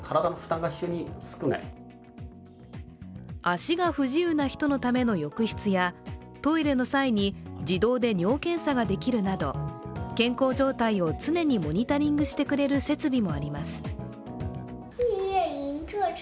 足が不自由な人のための浴室やトイレの際に自動で尿検査ができるなど、健康状態を常にモニタリングしてくれる設備もあります。